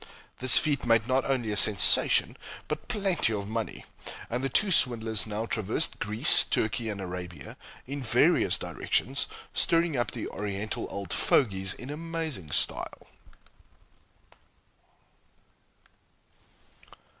This feat made not only a sensation but plenty of money; and the two swindlers now traversed Greece, Turkey, and Arabia, in various directions, stirring up the Oriental "old fogies" in amazing style.